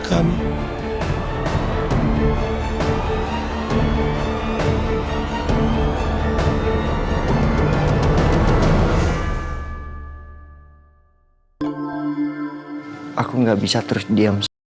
hai aku enggak bisa terus dia